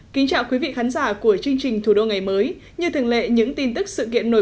kính chào quý vị khán giả của chương trình thủ đô ngày mới như thường lệ những tin tức sự kiện nổi